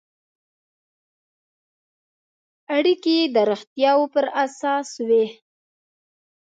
اړیکې یې د رښتیاوو پر اساس وي.